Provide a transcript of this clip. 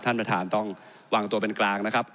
ท่านประธานต้องวางตัวเป็นกลางนะครับ